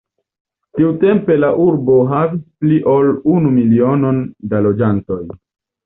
Tiutempe la urbo havis pli ol unu milionon da loĝantoj.